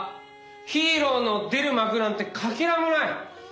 ヒーローの出る幕なんてかけらもない。